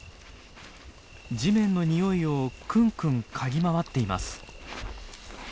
地面のにおいをクンクン嗅ぎ回っています。